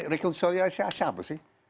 rekonsiliasi siapa sih